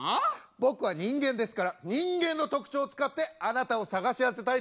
僕は人間ですから人間の特徴を使ってあなたを捜し当てたいと思います。